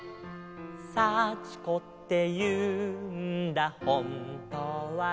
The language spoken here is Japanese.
「サチコっていうんだほんとはね」